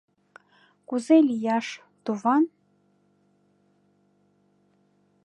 Кузе лияш, туван?